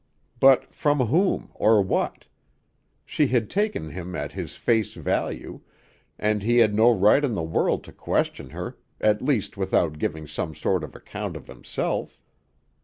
But from whom or what? She had taken him at his face value, and he had no right in the world to question her, at least without giving some sort of account of himself.